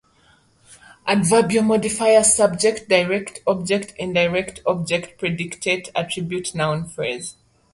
Adverbial Modifier Subject Direct Object Indirect Object Predicate Attribute Noun phrase